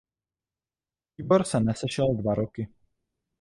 Výbor se nesešel dva roky.